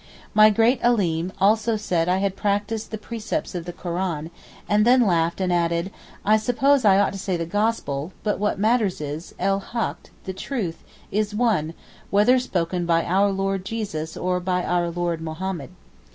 My great Alim also said I had practised the precepts of the Koran, and then laughed and added, 'I suppose I ought to say the Gospel, but what matters it, el Hakh (the truth) is one, whether spoken by Our Lord Jesus or by Our Lord Mahommed!